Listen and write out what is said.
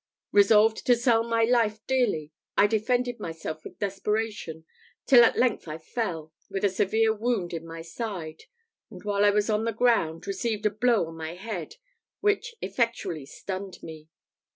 Resolved to sell my life dearly, I defended myself with desperation, till at length I fell, with a severe wound in my side, and while I was on the ground, received a blow on my head, which effectually stunned me.